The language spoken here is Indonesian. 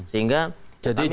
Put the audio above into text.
sehingga kita mengharapkan